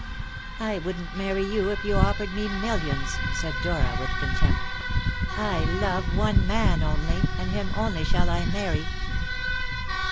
"I wouldn't marry you if you offered me millions!" said Dora with contempt. "I love one man only, and him only shall I marry."